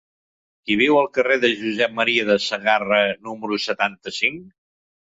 Qui viu al carrer de Josep M. de Sagarra número setanta-cinc?